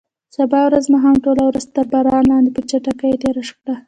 سبا ورځ مو هم ټوله ورځ تر باران لاندې په چټکۍ تېره کړه.